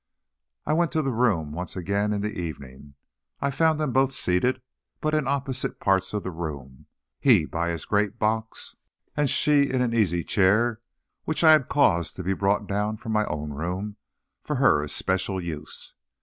I went to the room once again in the evening. I found them both seated, but in opposite parts of the room; he by his great box, and she in an easy chair which I had caused to be brought down from my own room for her especial use.